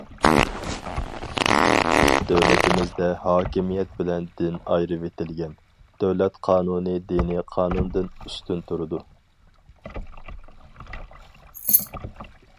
دۆلىتىمىزدە ھاكىمىيەت بىلەن دىن ئايرىۋېتىلگەن، دۆلەت قانۇنى دىنىي قانۇندىن ئۈستۈن تۇرىدۇ.